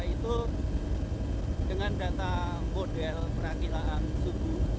itu dengan data model perakilan subuh